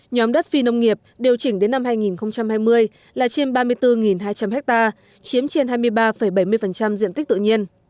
nhóm đất phi nông nghiệp điều chỉnh đến năm hai nghìn hai mươi là trên ba mươi bốn hai trăm linh ha chiếm trên hai mươi ba bảy mươi diện tích tự nhiên